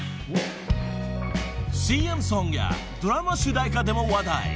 ［ＣＭソングやドラマ主題歌でも話題］